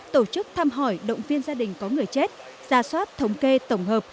tổ chức thăm hỏi động viên gia đình có người chết ra soát thống kê tổng hợp